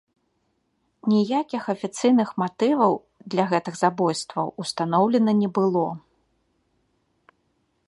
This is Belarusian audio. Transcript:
Ніякіх афіцыйных матываў для гэтых забойстваў ўстаноўлена не было.